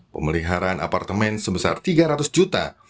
pemeliharaan apartemen sebesar tiga ratus juta